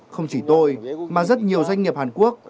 không chỉ tôi mà rất nhiều doanh nghiệp hàn quốc